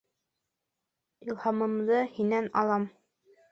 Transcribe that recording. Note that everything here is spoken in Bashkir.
Илһамымды һинән алам.